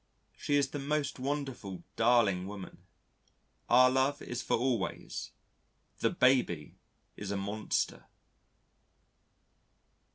She is the most wonderful darling woman. Our love is for always. The Baby is a monster.